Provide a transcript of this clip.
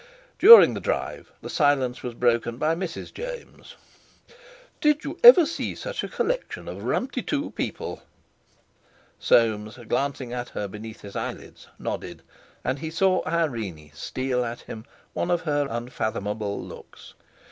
During the drive the silence was broken by Mrs. James. "Did you ever see such a collection of rumty too people?" Soames, glancing at her beneath his eyelids, nodded, and he saw Irene steal at him one of her unfathomable looks.